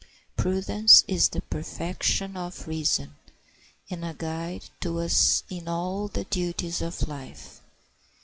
Prudence is the perfection of reason, and a guide to us in all the duties of life.